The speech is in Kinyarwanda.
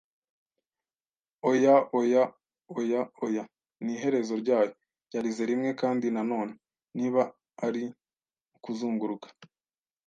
“Oya, oya, oya, oya; n'iherezo ryayo! ” yarize rimwe. Kandi na none, “Niba ari ukuzunguruka,